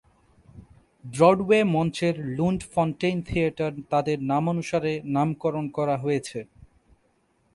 Broadway মঞ্চের Lunt-Fontanne theatre তাদের নামানুসারে নামকরণ করা হয়েছে।